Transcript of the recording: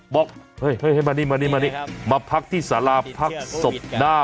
บอกเฮ้ยให้มานี่มานี่มานี่มาพักที่สาราพักศพหน้า